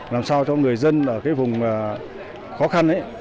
làm sao cho người dân ở cái vùng khó khăn ấy